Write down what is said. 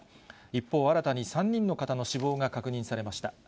一方、新たに３人の方の死亡が確認されました。